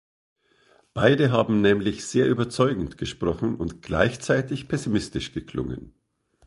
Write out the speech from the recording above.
Beide haben nämlich sehr überzeugend gesprochen und gleichzeitig pessimistisch geklungen.